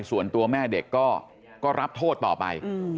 ส่วนตัวแม่เด็กก็รับโทษต่อไป